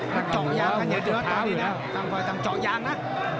จอกยางกันอย่างเดียวตอนนี้นะจอกยางนะ